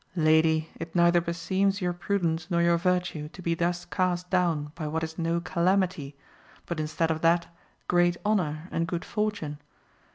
Lady it neither beseems your prudence nor your virtue to be thus cast down by what is no calamity, but instead of that, great honour and good fortune.